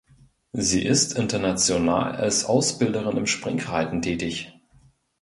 Sie ist international als Ausbilderin im Springreiten tätig.